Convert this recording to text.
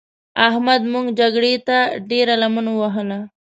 احمد موږ جګړې ته ډېره لمن ووهل.